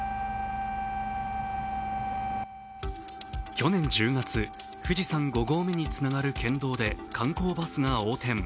去年１０月、富士山５合目につながる県道で観光バスが横転。